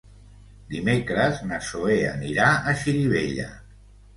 Dimecres na Zoè anirà a Xirivella.